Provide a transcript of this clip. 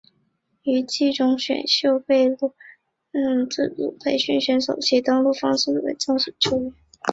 于季中选秀落选被被义大犀牛以自主培训选手其登录为正式球员。